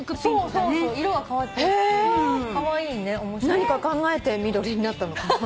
何か考えて緑になったのかな？